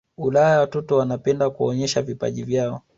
ulaya watoto wanapenda kuonesha vipaji vyao